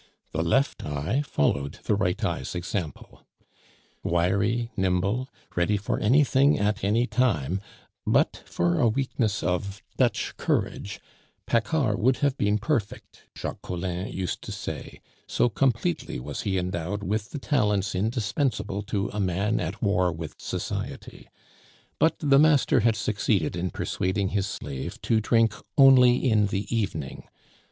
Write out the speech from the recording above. The left eye followed the right eye's example. Wiry, nimble, ready for anything at any time, but for a weakness of Dutch courage Paccard would have been perfect, Jacques Collin used to say, so completely was he endowed with the talents indispensable to a man at war with society; but the master had succeeded in persuading his slave to drink only in the evening.